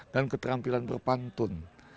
dan keterampilan berpantun